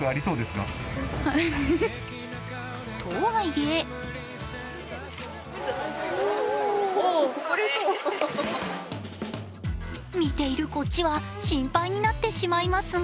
とはいえ見ているこっちは心配になってしまいますが